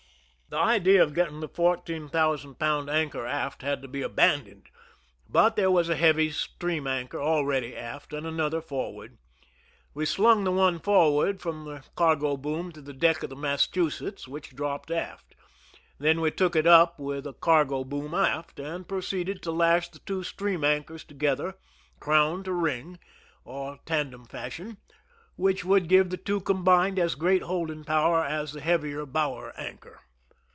The idea of ;^etting the f ourteen thousand pound ^ 45 THE SINKINa OF THE "MERRIMAC" anchor aft had to be abandoned, but there was a heavy stream anchor ah eady aft and another for ward. We slung the one forward from the cargo boom to the deck of the Massachusetts^ which dropped aft ; then we took it up with a cargo boom aft, and proceeded to lash the two stream anchors together, crown to ring, or tandem fashion, which would give the two combined as great holding power as the heavier bower anchor.